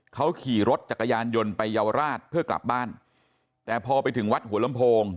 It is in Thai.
เขาขี่รถจักรยานยนต์ไปเยาวราชเพื่อกลับบ้านแต่พอไปถึงวัดหัวลำโพง